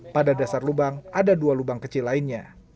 pada dasar lubang ada dua lubang kecil lainnya